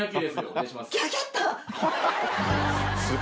お願いします。